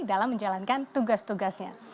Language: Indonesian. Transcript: dalam menjalankan tugas tugasnya